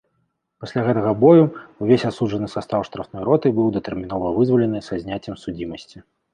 Пасля гэтага бою ўвесь асуджаны састаў штрафной роты быў датэрмінова вызвалены са зняццем судзімасці.